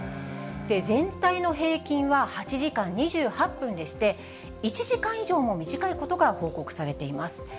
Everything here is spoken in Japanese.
全体の平均は８時間２８分でして、１時間以上も短いことが報告されています。